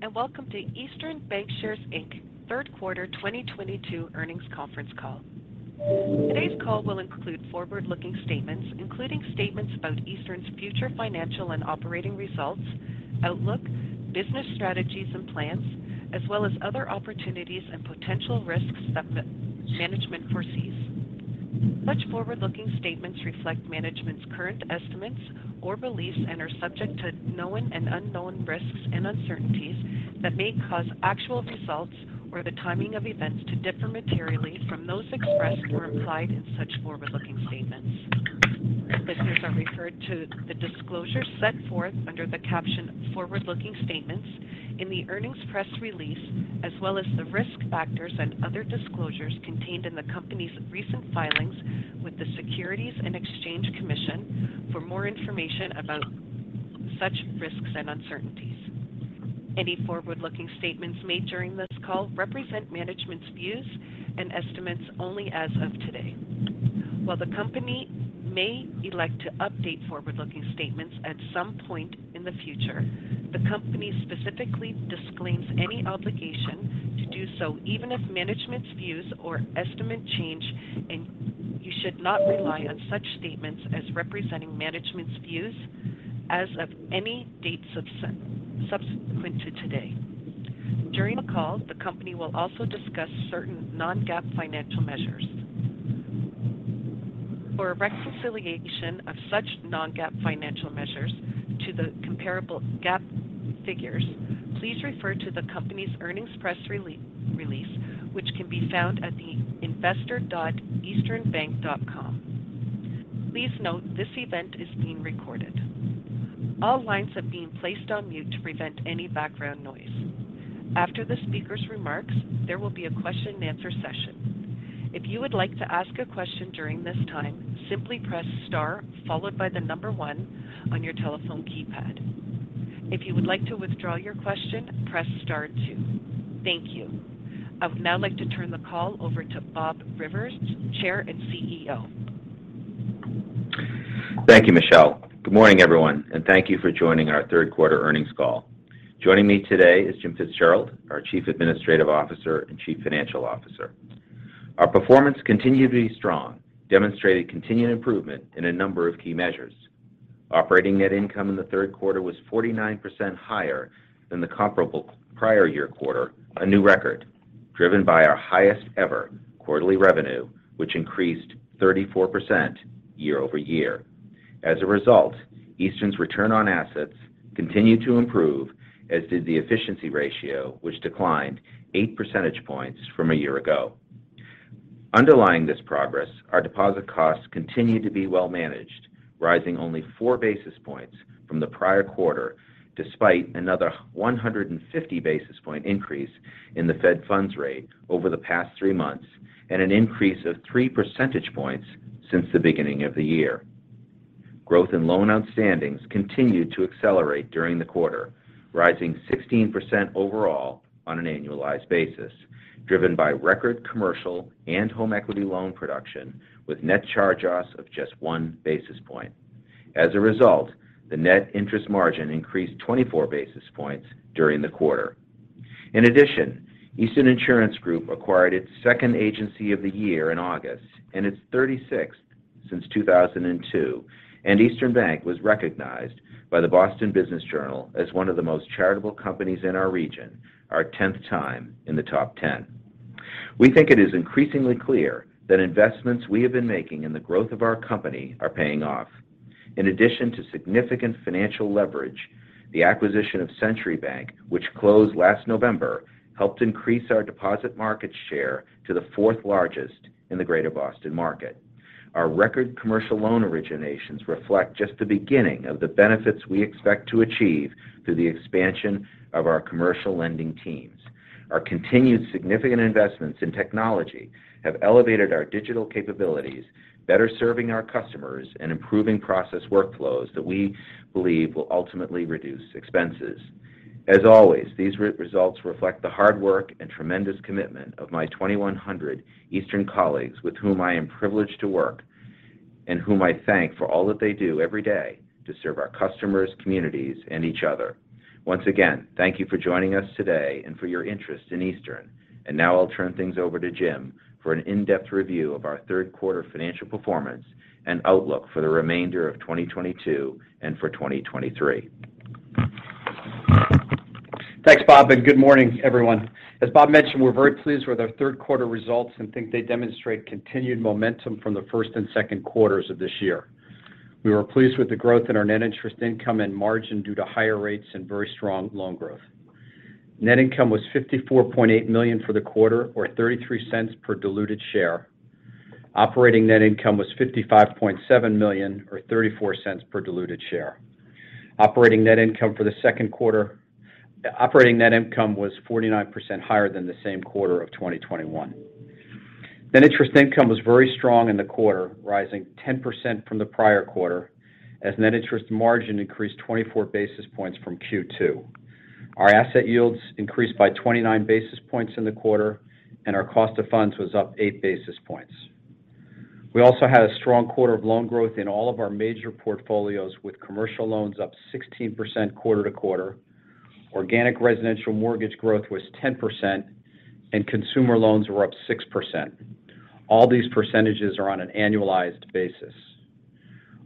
Hello, and welcome to Eastern Bankshares, Inc. Third Quarter 2022 Earnings Conference Call. Today's call will include forward-looking statements, including statements about Eastern's future financial and operating results, outlook, business strategies and plans, as well as other opportunities and potential risks that the management foresees. Such forward-looking statements reflect management's current estimates or beliefs and are subject to known and unknown risks and uncertainties that may cause actual results or the timing of events to differ materially from those expressed or implied in such forward-looking statements. Listeners are referred to the disclosures set forth under the caption "Forward-Looking Statements" in the earnings press release, as well as the risk factors and other disclosures contained in the company's recent filings with the Securities and Exchange Commission for more information about such risks and uncertainties. Any forward-looking statements made during this call represent management's views and estimates only as of today. While the company may elect to update forward-looking statements at some point in the future, the company specifically disclaims any obligation to do so, even if management's views or estimate change, and you should not rely on such statements as representing management's views as of any dates subsequent to today. During the call, the company will also discuss certain non-GAAP financial measures. For a reconciliation of such non-GAAP financial measures to the comparable GAAP figures, please refer to the company's earnings press release, which can be found at the investor.easternbank.com. Please note this event is being recorded. All lines have been placed on mute to prevent any background noise. After the speaker's remarks, there will be a question-and-answer session. If you would like to ask a question during this time, simply press star followed by the number one on your telephone keypad. If you would like to withdraw your question, press star two. Thank you. I would now like to turn the call over to Bob Rivers, Chair and CEO. Thank you, Michelle. Good morning, everyone, and thank you for joining our third quarter earnings call. Joining me today is Jim Fitzgerald, our Chief Administrative Officer and Chief Financial Officer. Our performance continued to be strong, demonstrating continued improvement in a number of key measures. Operating net income in the third quarter was 49% higher than the comparable prior year quarter, a new record, driven by our highest ever quarterly revenue, which increased 34% year-over-year. As a result, Eastern's return on assets continued to improve, as did the efficiency ratio, which declined 8 percentage points from a year ago. Underlying this progress, our deposit costs continued to be well managed, rising only 4 basis points from the prior quarter, despite another 150 basis point increase in the fed funds rate over the past three months, and an increase of 3 percentage points since the beginning of the year. Growth in loan outstandings continued to accelerate during the quarter, rising 16% overall on an annualized basis, driven by record commercial and home equity loan production, with net charge-offs of just 1 basis point. As a result, the net interest margin increased 24 basis points during the quarter. In addition, Eastern Insurance Group acquired its second agency of the year in August and its 36th since 2002, and Eastern Bank was recognized by the Boston Business Journal as one of the most charitable companies in our region, our 10th time in the top ten. We think it is increasingly clear that investments we have been making in the growth of our company are paying off. In addition to significant financial leverage, the acquisition of Century Bank, which closed last November, helped increase our deposit market share to the fourth largest in the Greater Boston market. Our record commercial loan originations reflect just the beginning of the benefits we expect to achieve through the expansion of our commercial lending teams. Our continued significant investments in technology have elevated our digital capabilities, better serving our customers and improving process workflows that we believe will ultimately reduce expenses. As always, these results reflect the hard work and tremendous commitment of my 2,100 Eastern colleagues with whom I am privileged to work and whom I thank for all that they do every day to serve our customers, communities, and each other. Once again, thank you for joining us today and for your interest in Eastern. Now I'll turn things over to Jim for an in-depth review of our third quarter financial performance and outlook for the remainder of 2022 and for 2023. Thanks, Bob, and good morning, everyone. As Bob mentioned, we're very pleased with our third quarter results and think they demonstrate continued momentum from the first and second quarters of this year. We were pleased with the growth in our net interest income and margin due to higher rates and very strong loan growth. Net income was $54.8 million for the quarter or $0.33 per diluted share. Operating net income was $55.7 million or $0.34 per diluted share. Operating net income was 49% higher than the same quarter of 2021. Net interest income was very strong in the quarter, rising 10% from the prior quarter as net interest margin increased 24 basis points from Q2. Our asset yields increased by 29 basis points in the quarter, and our cost of funds was up 8 basis points. We also had a strong quarter of loan growth in all of our major portfolios, with commercial loans up 16% quarter-over-quarter. Organic residential mortgage growth was 10%, and consumer loans were up 6%. All these percentages are on an annualized basis.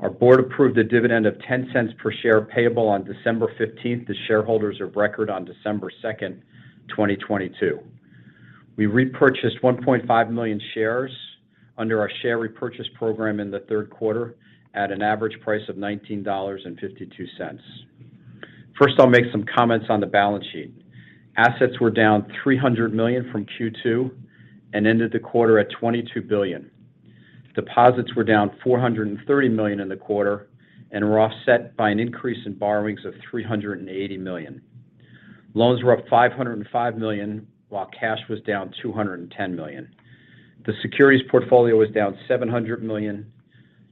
Our board approved a dividend of $0.10 per share payable on December 15th to shareholders of record on December 2nd, 2022. We repurchased 1.5 million shares under our share repurchase program in the third quarter at an average price of $19.52. First, I'll make some comments on the balance sheet. Assets were down $300 million from Q2 and ended the quarter at $22 billion. Deposits were down $430 million in the quarter and were offset by an increase in borrowings of $380 million. Loans were up $505 million, while cash was down $210 million. The securities portfolio was down $700 million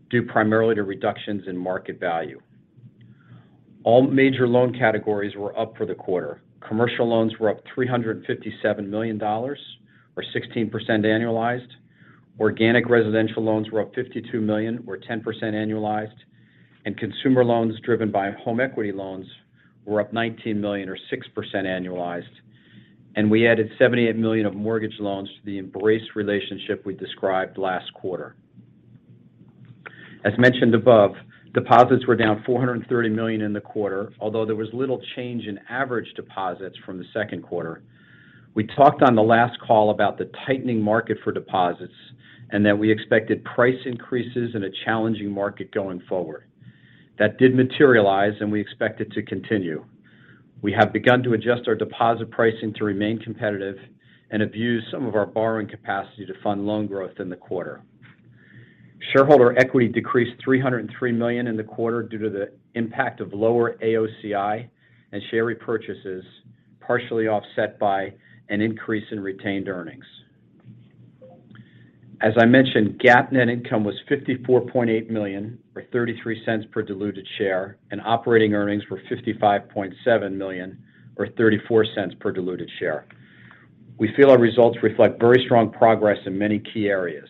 due primarily to reductions in market value. All major loan categories were up for the quarter. Commercial loans were up $357 million, or 16% annualized. Organic residential loans were up $52 million, or 10% annualized. Consumer loans driven by home equity loans were up $19 million, or 6% annualized. We added $78 million of mortgage loans to the Embrace relationship we described last quarter. As mentioned above, deposits were down $430 million in the quarter, although there was little change in average deposits from the second quarter. We talked on the last call about the tightening market for deposits and that we expected price increases in a challenging market going forward. That did materialize, and we expect it to continue. We have begun to adjust our deposit pricing to remain competitive and have used some of our borrowing capacity to fund loan growth in the quarter. Shareholder equity decreased $303 million in the quarter due to the impact of lower AOCI and share repurchases, partially offset by an increase in retained earnings. As I mentioned, GAAP net income was $54.8 million, or $0.33 per diluted share, and operating earnings were $55.7 million, or $0.34 per diluted share. We feel our results reflect very strong progress in many key areas.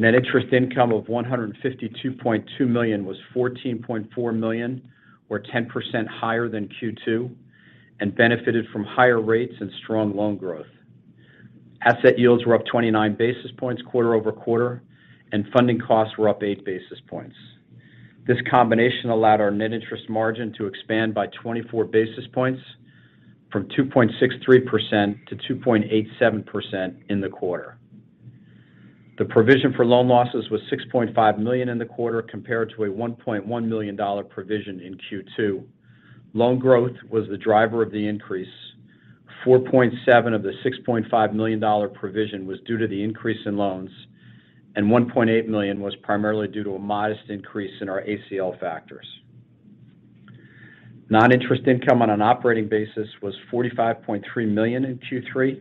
Net interest income of $152.2 million was $14.4 million, or 10% higher than Q2, and benefited from higher rates and strong loan growth. Asset yields were up 29 basis points quarter-over-quarter, and funding costs were up 8 basis points. This combination allowed our net interest margin to expand by 24 basis points from 2.63%-2.87% in the quarter. The provision for loan losses was $6.5 million in the quarter compared to a $1.1 million provision in Q2. Loan growth was the driver of the increase. $4.7 of the $6.5 million provision was due to the increase in loans, and $1.8 million was primarily due to a modest increase in our ACL factors. Non-interest income on an operating basis was $45.3 million in Q3.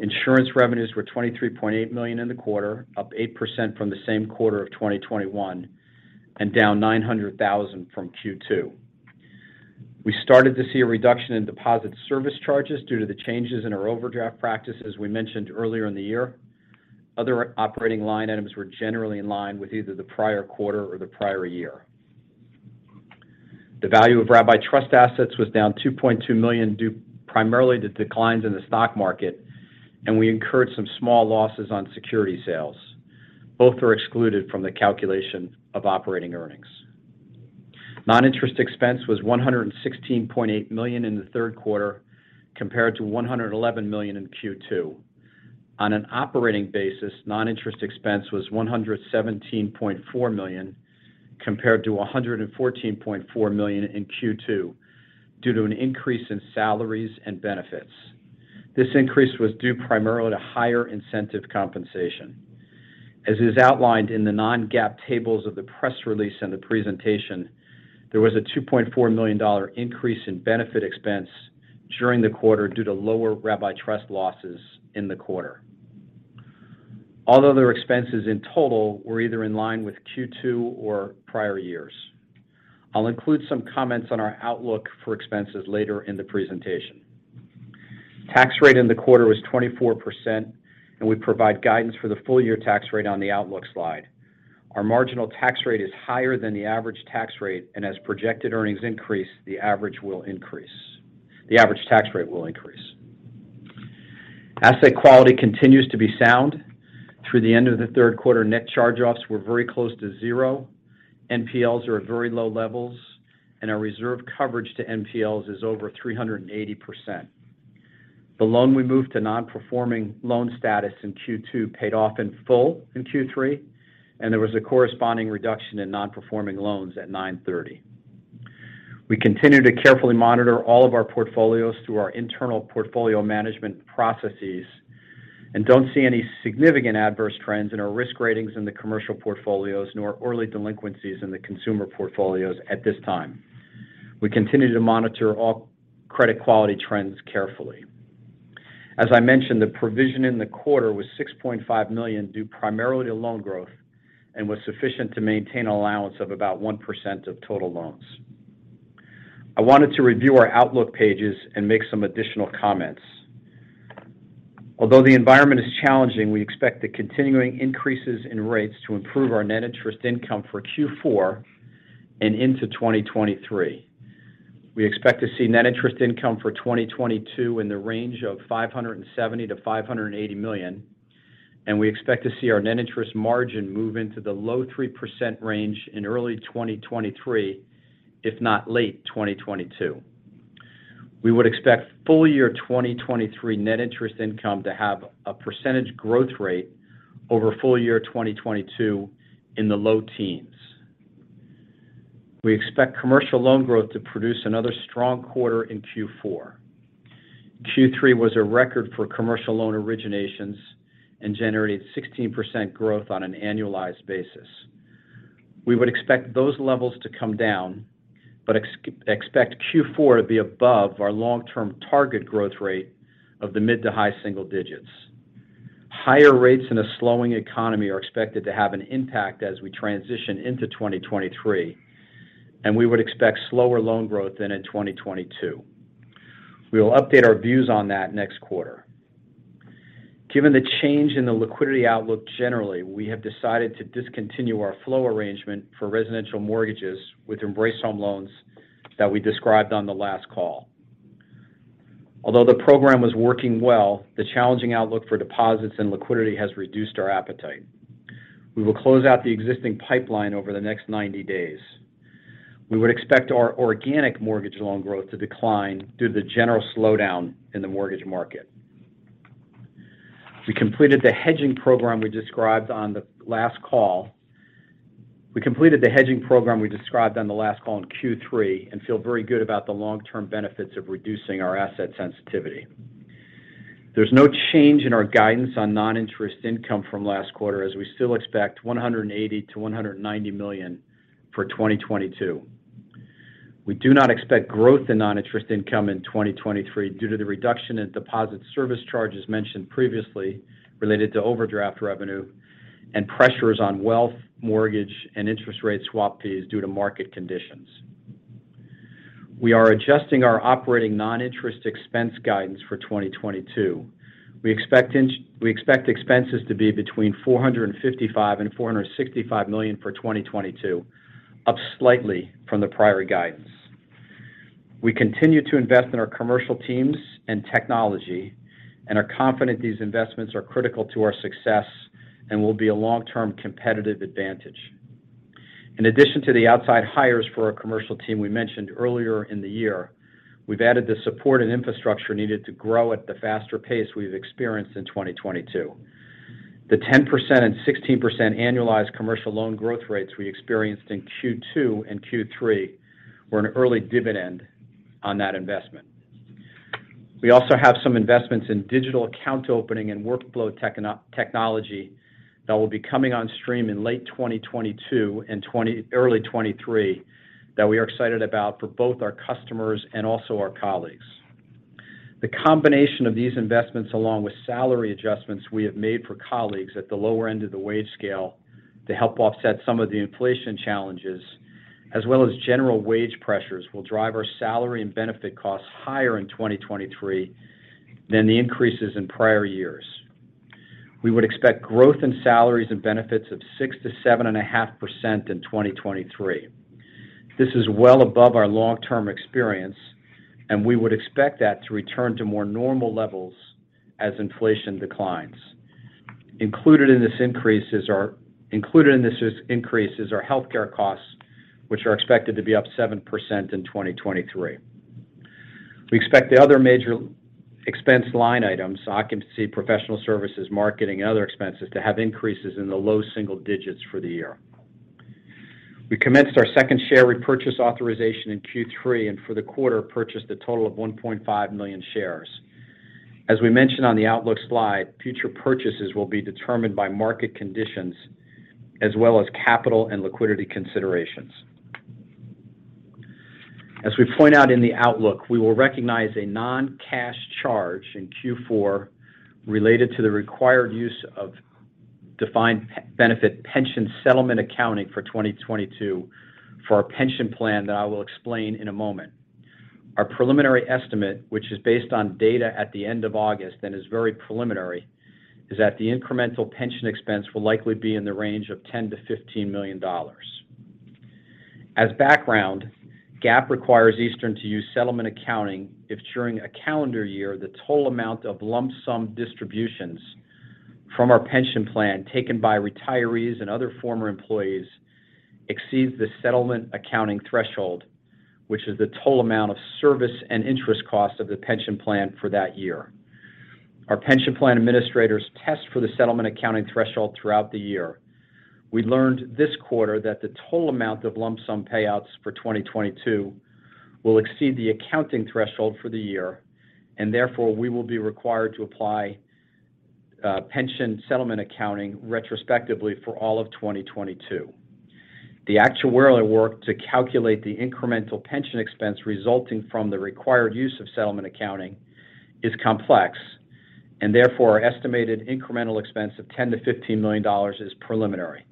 Insurance revenues were $23.8 million in the quarter, up 8% from the same quarter of 2021, and down $900,000 from Q2. We started to see a reduction in deposit service charges due to the changes in our overdraft practices we mentioned earlier in the year. Other operating line items were generally in line with either the prior quarter or the prior year. The value of Rabbi Trust assets was down $2.2 million due primarily to declines in the stock market, and we incurred some small losses on security sales. Both are excluded from the calculation of operating earnings. Non-interest expense was $116.8 million in the third quarter compared to $111 million in Q2. On an operating basis, noninterest expense was $117.4 million compared to $114.4 million in Q2 due to an increase in salaries and benefits. This increase was due primarily to higher incentive compensation. As is outlined in the non-GAAP tables of the press release and the presentation, there was a $2.4 million increase in benefit expense during the quarter due to lower Rabbi Trust losses in the quarter. All other expenses in total were either in line with Q2 or prior years. I'll include some comments on our outlook for expenses later in the presentation. Tax rate in the quarter was 24%, and we provide guidance for the full year tax rate on the outlook slide. Our marginal tax rate is higher than the average tax rate, and as projected earnings increase, the average will increase. The average tax rate will increase. Asset quality continues to be sound. Through the end of the third quarter, net charge-offs were very close to zero. NPLs are at very low levels, and our reserve coverage to NPLs is over 380%. The loan we moved to non-performing loan status in Q2 paid off in full in Q3, and there was a corresponding reduction in non-performing loans at 9/30. We continue to carefully monitor all of our portfolios through our internal portfolio management processes and don't see any significant adverse trends in our risk ratings in the commercial portfolios nor early delinquencies in the consumer portfolios at this time. We continue to monitor all credit quality trends carefully. As I mentioned, the provision in the quarter was $6.5 million due primarily to loan growth and was sufficient to maintain an allowance of about 1% of total loans. I wanted to review our outlook pages and make some additional comments. Although the environment is challenging, we expect the continuing increases in rates to improve our net interest income for Q4 and into 2023. We expect to see net interest income for 2022 in the range of $570 million-$580 million, and we expect to see our net interest margin move into the low 3% range in early 2023, if not late 2022. We would expect full year 2023 net interest income to have a percentage growth rate over full year 2022 in the low teens. We expect commercial loan growth to produce another strong quarter in Q4. Q3 was a record for commercial loan originations and generated 16% growth on an annualized basis. We would expect those levels to come down, but expect Q4 to be above our long-term target growth rate of the mid to high single digits. Higher rates in a slowing economy are expected to have an impact as we transition into 2023, and we would expect slower loan growth than in 2022. We will update our views on that next quarter. Given the change in the liquidity outlook generally, we have decided to discontinue our flow arrangement for residential mortgages with Embrace Home Loans that we described on the last call. Although the program was working well, the challenging outlook for deposits and liquidity has reduced our appetite. We will close out the existing pipeline over the next 90 days. We would expect our organic mortgage loan growth to decline due to the general slowdown in the mortgage market. We completed the hedging program we described on the last call in Q3 and feel very good about the long-term benefits of reducing our asset sensitivity. There's no change in our guidance on non-interest income from last quarter, as we still expect $180 million-$190 million for 2022. We do not expect growth in non-interest income in 2023 due to the reduction in deposit service charges mentioned previously related to overdraft revenue and pressures on wealth, mortgage, and interest rate swap fees due to market conditions. We are adjusting our operating non-interest expense guidance for 2022. We expect expenses to be between $455 million and $465 million for 2022, up slightly from the prior guidance. We continue to invest in our commercial teams and technology, and are confident these investments are critical to our success and will be a long-term competitive advantage. In addition to the outside hires for our commercial team we mentioned earlier in the year, we've added the support and infrastructure needed to grow at the faster pace we've experienced in 2022. The 10% and 16% annualized commercial loan growth rates we experienced in Q2 and Q3 were an early dividend on that investment. We also have some investments in digital account opening and workflow technology that will be coming on stream in late 2022 and early 2023 that we are excited about for both our customers and also our colleagues. The combination of these investments, along with salary adjustments we have made for colleagues at the lower end of the wage scale to help offset some of the inflation challenges, as well as general wage pressures, will drive our salary and benefit costs higher in 2023 than the increases in prior years. We would expect growth in salaries and benefits of 6%-7.5% in 2023. This is well above our long-term experience, and we would expect that to return to more normal levels as inflation declines. Included in this increase are healthcare costs, which are expected to be up 7% in 2023. We expect the other major expense line items, occupancy, professional services, marketing and other expenses to have increases in the low single digits for the year. We commenced our second share repurchase authorization in Q3, and for the quarter, purchased a total of 1.5 million shares. As we mentioned on the outlook slide, future purchases will be determined by market conditions as well as capital and liquidity considerations. As we point out in the outlook, we will recognize a non-cash charge in Q4 related to the required use of defined benefit pension settlement accounting for 2022 for our pension plan that I will explain in a moment. Our preliminary estimate, which is based on data at the end of August and is very preliminary, is that the incremental pension expense will likely be in the range of $10-$15 million. As background, GAAP requires Eastern to use settlement accounting if, during a calendar year, the total amount of lump sum distributions from our pension plan taken by retirees and other former employees exceeds the settlement accounting threshold, which is the total amount of service and interest costs of the pension plan for that year. Our pension plan administrators test for the settlement accounting threshold throughout the year. We learned this quarter that the total amount of lump sum payouts for 2022 will exceed the accounting threshold for the year, and therefore, we will be required to apply pension settlement accounting retrospectively for all of 2022. The actuarial work to calculate the incremental pension expense resulting from the required use of settlement accounting is complex and therefore, our estimated incremental expense of $10-$15 million is preliminary.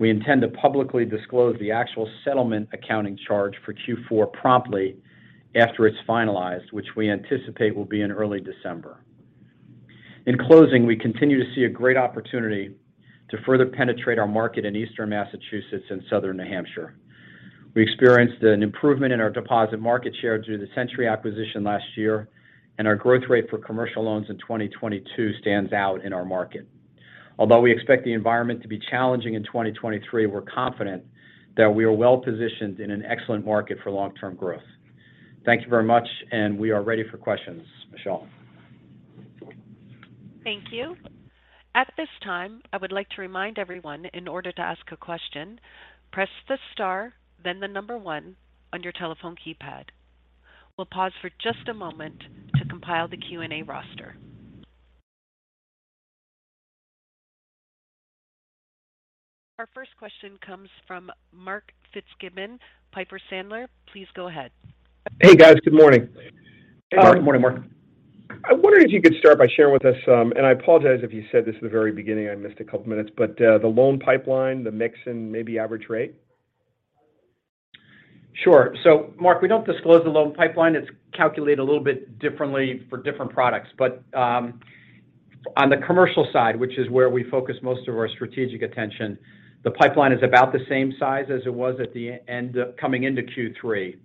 We intend to publicly disclose the actual settlement accounting charge for Q4 promptly after it's finalized, which we anticipate will be in early December. In closing, we continue to see a great opportunity to further penetrate our market in Eastern Massachusetts and Southern New Hampshire. We experienced an improvement in our deposit market share through the Century acquisition last year, and our growth rate for commercial loans in 2022 stands out in our market. Although we expect the environment to be challenging in 2023, we're confident that we are well positioned in an excellent market for long-term growth. Thank you very much, and we are ready for questions. Michelle. Thank you. At this time, I would like to remind everyone in order to ask a question, press the star, then the number one on your telephone keypad. We'll pause for just a moment to compile the Q&A roster. Our first question comes from Mark Fitzgibbon, Piper Sandler. Please go ahead. Hey, guys. Good morning. Hey, Mark. Good morning, Mark. I wonder if you could start by sharing with us, and I apologize if you said this at the very beginning, I missed a couple minutes, but, the loan pipeline, the mix and maybe average rate. Sure. Mark, we don't disclose the loan pipeline. It's calculated a little bit differently for different products. On the commercial side, which is where we focus most of our strategic attention, the pipeline is about the same size as it was coming into Q3.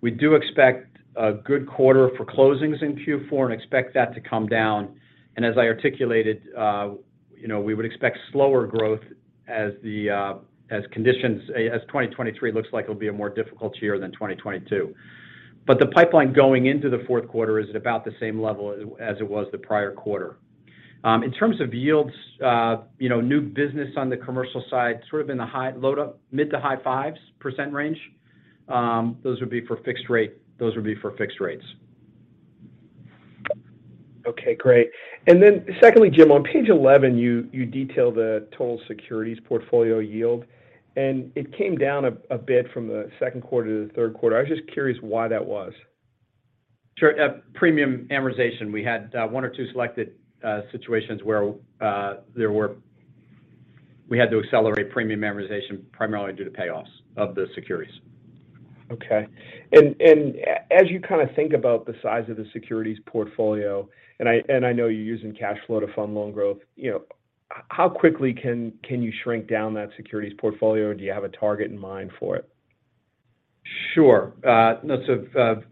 We do expect a good quarter for closings in Q4 and expect that to come down. As I articulated, you know, we would expect slower growth as 2023 looks like it'll be a more difficult year than 2022. The pipeline going into the fourth quarter is at about the same level as it was the prior quarter. In terms of yields, you know, new business on the commercial side, sort of in the low to mid to high 5% range. Those would be for fixed rates. Okay, great. Secondly, Jim, on page 11, you detail the total securities portfolio yield, and it came down a bit from the second quarter to the third quarter. I was just curious why that was. Sure. Premium amortization. We had one or two selected situations where we had to accelerate premium amortization primarily due to payoffs of the securities. Okay. As you kind of think about the size of the securities portfolio, I know you're using cash flow to fund loan growth, you know, how quickly can you shrink down that securities portfolio? Do you have a target in mind for it? Sure. That's a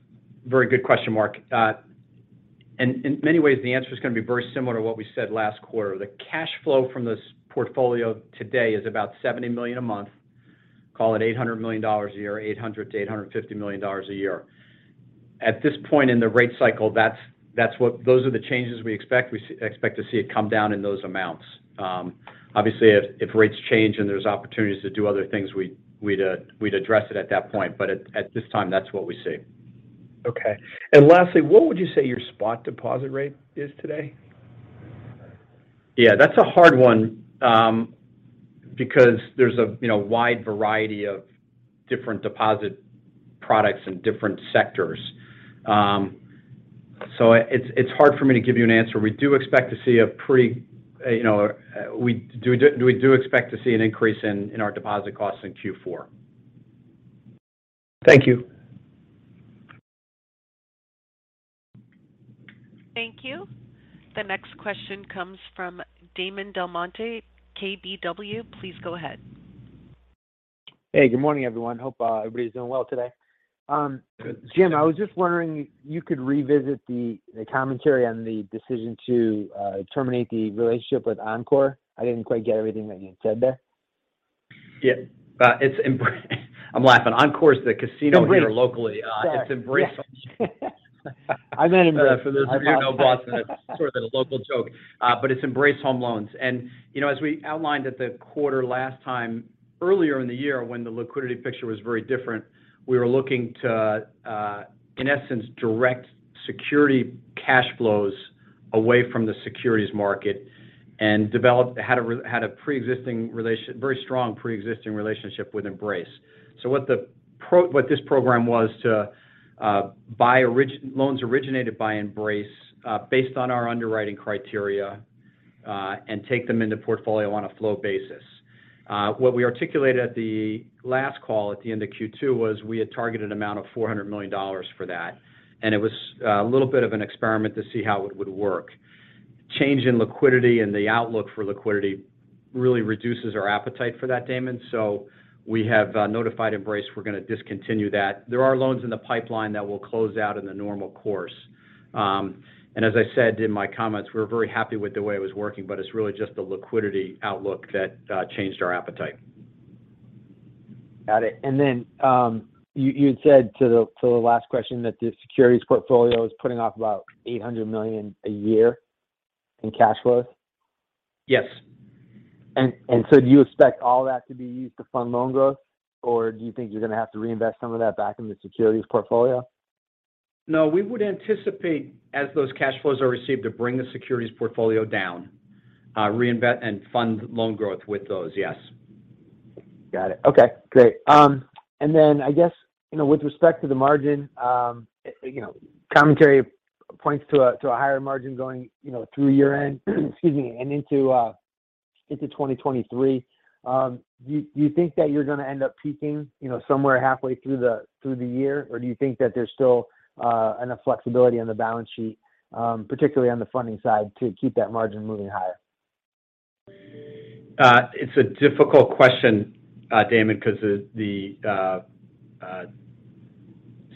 very good question, Mark. In many ways the answer is gonna be very similar to what we said last quarter. The cash flow from this portfolio today is about $70 million a month. Call it $800 million a year, $800 million-$850 million a year. At this point in the rate cycle, those are the changes we expect. We expect to see it come down in those amounts. Obviously if rates change and there's opportunities to do other things, we'd address it at that point. At this time, that's what we see. Okay. Lastly, what would you say your spot deposit rate is today? Yeah, that's a hard one, because there's a, you know, wide variety of different deposit products in different sectors. It's hard for me to give you an answer. We do expect to see, you know, an increase in our deposit costs in Q4. Thank you. Thank you. The next question comes from Damon DelMonte, KBW. Please go ahead. Hey, good morning, everyone. Hope everybody's doing well today. Good. Jim, I was just wondering if you could revisit the commentary on the decision to terminate the relationship with Embrace. I didn't quite get everything that you said there. Yeah. It's Embrace. I'm laughing. Encore is the casino here locally. Sorry. It's Embrace Home Loans. I meant Embrace. I apologize. For those of you who know Boston, it's sort of a local joke. It's Embrace Home Loans. You know, as we outlined at the quarter last time, earlier in the year when the liquidity picture was very different, we were looking to, in essence, direct securities cash flows away from the securities market and had a very strong preexisting relationship with Embrace. What this program was to buy loans originated by Embrace, based on our underwriting criteria, and take them into portfolio on a flow basis. What we articulated at the last call at the end of Q2 was we had targeted amount of $400 million for that, and it was a little bit of an experiment to see how it would work. Change in liquidity and the outlook for liquidity really reduces our appetite for that, Damon. We have notified Embrace we're gonna discontinue that. There are loans in the pipeline that will close out in the normal course. As I said in my comments, we're very happy with the way it was working, but it's really just the liquidity outlook that changed our appetite. Got it. You had said to the last question that the securities portfolio is putting off about $800 million a year in cash flows? Yes. Do you expect all that to be used to fund loan growth, or do you think you're gonna have to reinvest some of that back in the securities portfolio? No. We would anticipate, as those cash flows are received, to bring the securities portfolio down, reinvest and fund loan growth with those. Yes. Got it. Okay, great. Then I guess, you know, with respect to the margin, you know, commentary points to a, to a higher margin going, you know, through year-end, excuse me, and into 2023. Do you think that you're gonna end up peaking, you know, somewhere halfway through the year? Or do you think that there's still enough flexibility on the balance sheet, particularly on the funding side, to keep that margin moving higher? It's a difficult question, Damon, 'cause it's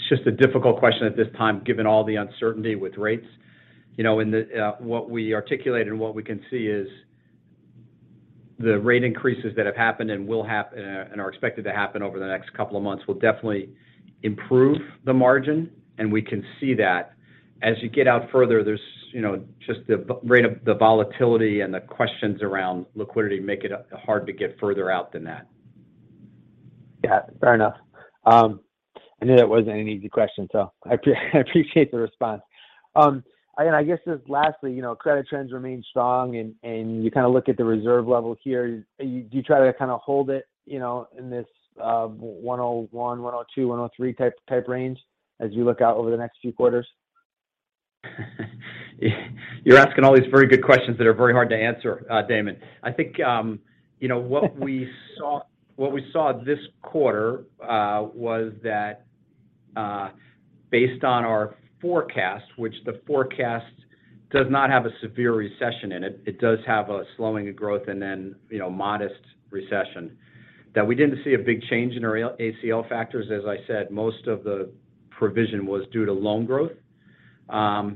just a difficult question at this time given all the uncertainty with rates. You know, what we articulate and what we can see is the rate increases that have happened and are expected to happen over the next couple of months will definitely improve the margin, and we can see that. As you get out further, there's, you know, just the rate of the volatility and the questions around liquidity make it hard to get further out than that. Yeah. Fair enough. I knew that wasn't an easy question, so I appreciate the response. I guess just lastly, you know, credit trends remain strong and you kind of look at the reserve level here. Do you try to kind of hold it, you know, in this 101, 102, 103 type range as you look out over the next few quarters? You're asking all these very good questions that are very hard to answer, Damon. I think, you know, what we saw this quarter was that, based on our forecast, which the forecast does not have a severe recession in it does have a slowing of growth and then, you know, modest recession. That we didn't see a big change in our ACL factors. As I said, most of the provision was due to loan growth. That's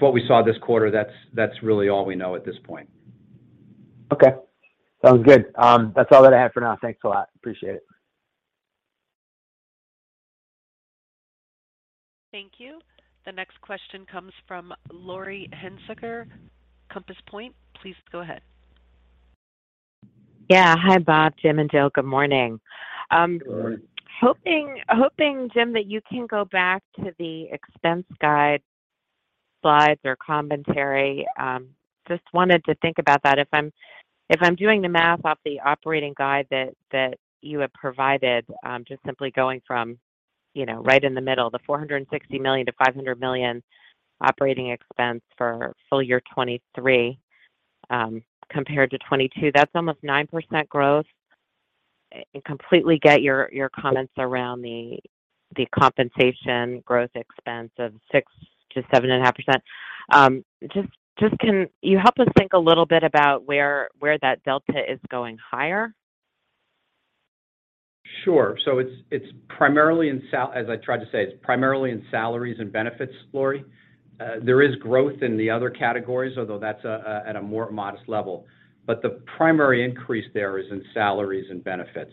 what we saw this quarter. That's really all we know at this point. Okay. Sounds good. That's all that I have for now. Thanks a lot. Appreciate it. Thank you. The next question comes from Laurie Hunsicker, Compass Point. Please go ahead. Yeah. Hi, Bob, Jim, and Jill. Good morning. Good morning. I'm hoping, Jim, that you can go back to the expense guide slides or commentary. Just wanted to think about that. If I'm doing the math off the operating guide that you have provided, just simply going from, you know, right in the middle, the $460 million-$500 million operating expense for full year 2023, compared to 2022, that's almost 9% growth. Completely get your comments around the compensation growth expense of 6%-7.5%. Just can you help us think a little bit about where that delta is going higher? Sure. It's primarily in salaries and benefits, Laurie. There is growth in the other categories, although that's at a more modest level. The primary increase there is in salaries and benefits.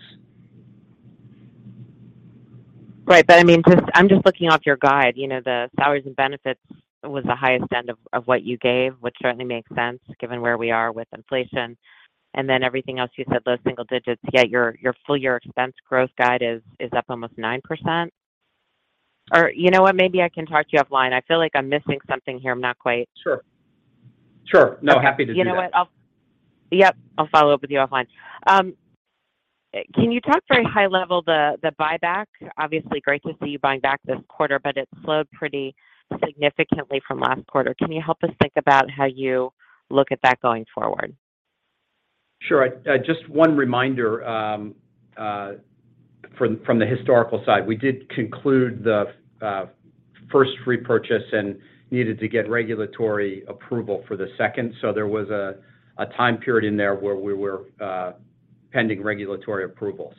Right. I mean, I'm just looking off your guide. You know, the salaries and benefits was the highest end of what you gave, which certainly makes sense given where we are with inflation. Then everything else you said low single digits, yet your full year expense growth guide is up almost 9%. You know what? Maybe I can talk to you offline. I feel like I'm missing something here. I'm not quite. Sure. Sure. No, happy to do that. You know what? I'll follow up with you offline. Can you talk very high level the buyback? Obviously great to see you buying back this quarter, but it slowed pretty significantly from last quarter. Can you help us think about how you look at that going forward? Sure. Just one reminder from the historical side. We did conclude the first repurchase and needed to get regulatory approval for the second. There was a time period in there where we were pending regulatory approval.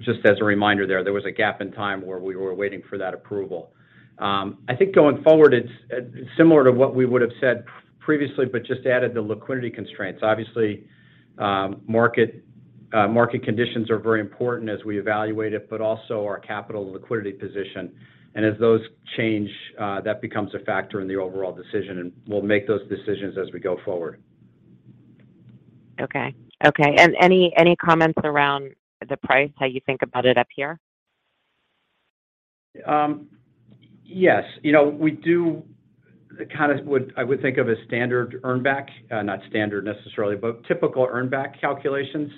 Just as a reminder there was a gap in time where we were waiting for that approval. I think going forward, it's similar to what we would've said previously but just added the liquidity constraints. Obviously, market conditions are very important as we evaluate it, but also our capital liquidity position. As those change, that becomes a factor in the overall decision, and we'll make those decisions as we go forward. Okay. Any comments around the price, how you think about it up here? Yes. You know, I would think of a standard earn back, not standard necessarily, but typical earn back calculations.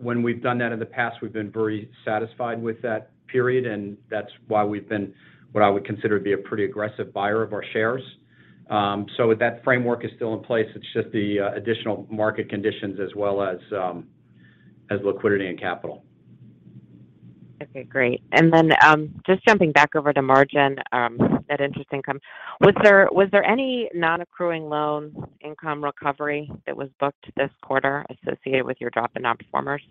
When we've done that in the past, we've been very satisfied with that period, and that's why we've been what I would consider to be a pretty aggressive buyer of our shares. That framework is still in place. It's just the additional market conditions as well as liquidity and capital. Okay, great. Just jumping back over to margin, net interest income. Was there any non-accruing loans income recovery that was booked this quarter associated with your drop in non-performers?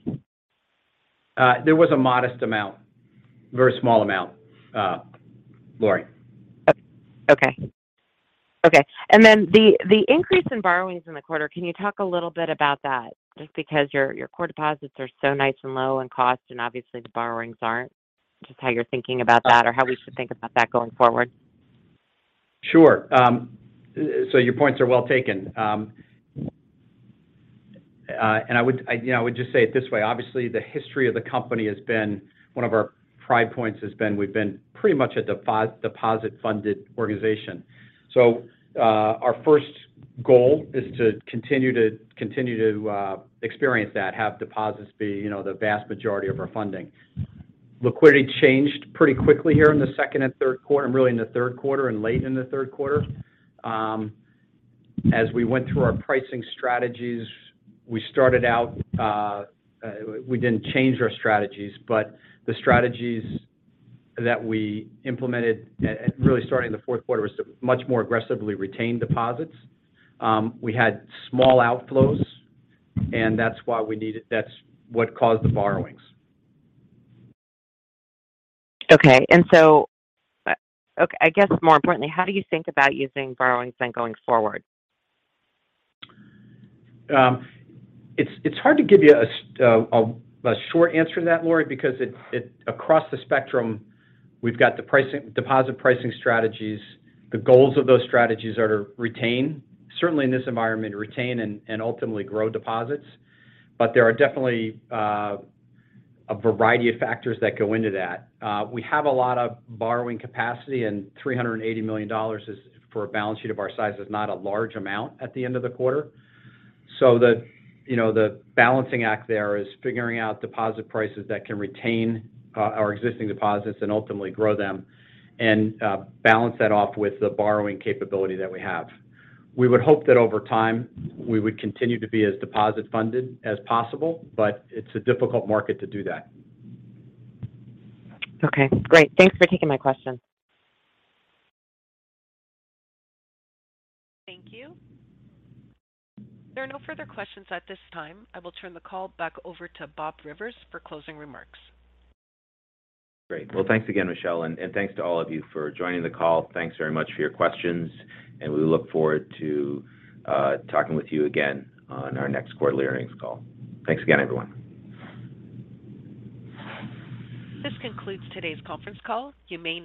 There was a modest amount. Very small amount, Laurie. Okay. The increase in borrowings in the quarter, can you talk a little bit about that? Just because your core deposits are so nice and low in cost, and obviously the borrowings aren't. Just how you're thinking about that or how we should think about that going forward? Sure. Your points are well taken. I would, you know, just say it this way. Obviously, the history of the company has been one of our pride points has been we've been pretty much a deposit funded organization. Our first goal is to continue to experience that, have deposits be, you know, the vast majority of our funding. Liquidity changed pretty quickly here in the second and third quarter, really in the third quarter and late in the third quarter. As we went through our pricing strategies, we started out, we didn't change our strategies, but the strategies that we implemented really starting in the fourth quarter was to much more aggressively retain deposits. We had small outflows, and that's what caused the borrowings. I guess more importantly, how do you think about using borrowings then going forward? It's hard to give you a short answer to that, Laurie, because across the spectrum, we've got the pricing, deposit pricing strategies. The goals of those strategies are to retain, certainly in this environment, retain and ultimately grow deposits. But there are definitely a variety of factors that go into that. We have a lot of borrowing capacity, and $380 million is, for a balance sheet of our size, not a large amount at the end of the quarter. You know, the balancing act there is figuring out deposit prices that can retain our existing deposits and ultimately grow them and balance that off with the borrowing capability that we have. We would hope that over time we would continue to be as deposit-funded as possible, but it's a difficult market to do that. Okay, great. Thanks for taking my question. Thank you. There are no further questions at this time. I will turn the call back over to Bob Rivers for closing remarks. Great. Well, thanks again, Michelle, and thanks to all of you for joining the call. Thanks very much for your questions, and we look forward to talking with you again on our next quarterly earnings call. Thanks again, everyone. This concludes today's conference call. You may now-